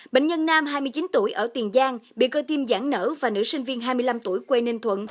bệnh nhân nam hai mươi chín tuổi ở tiền giang bị cơ tim giãn nở và nữ sinh viên hai mươi năm tuổi quê ninh thuận